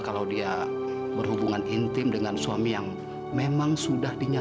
sampai jumpa di video selanjutnya